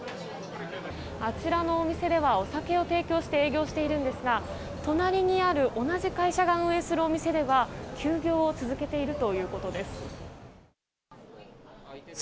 あちらのお店では、お酒を提供して営業しているんですが隣にある、同じ会社が運営するお店では休業を続けているということです。